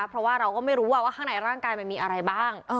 เพราะว่าเราก็ไม่รู้ว่าข้างในร่างกายมันมีอะไรบ้าง